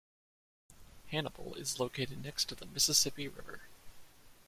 Hannibal is located next to the Mississippi River.